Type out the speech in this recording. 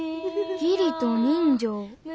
義理と人情。